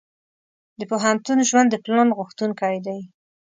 د پوهنتون ژوند د پلان غوښتونکی دی.